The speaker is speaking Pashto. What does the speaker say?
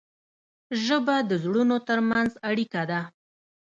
ژبه د زړونو ترمنځ اړیکه ده.